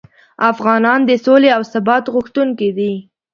افغانان د سولې او ثبات غوښتونکي دي.